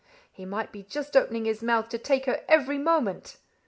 He might be just opening his mouth to take her every moment.